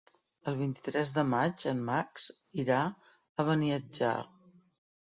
El vint-i-tres de maig en Max irà a Beniatjar.